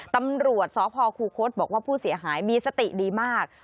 ตำรวจสพคูคศบอกว่าผู้เสียหายมีสติดีมาก